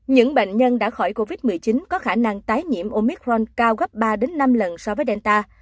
những bệnh nhân đã khỏi covid một mươi chín có khả năng tái nhiễm omicron cao gấp ba năm lần so với delta